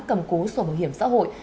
cầm cố sổ bảo hiểm xã hội